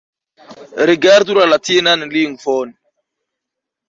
Rigardu la latinan lingvon.